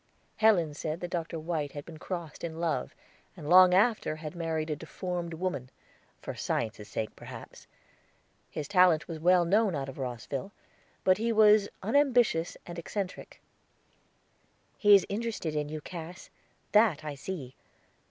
Helen said that Dr. White had been crossed in love, and long after had married a deformed woman for science's sake, perhaps. His talent was well known out of Rosville; but he was unambitious and eccentric. "He is interested in you, Cass, that I see.